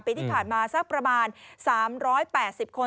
ปีที่ผ่านมาสักประมาณ๓๘๐คน